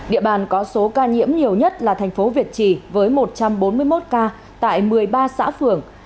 địa bàn có số ca nhiễm nhiều nhất là thành phố việt trì với một trăm bốn mươi một ca tại một mươi ba xã phường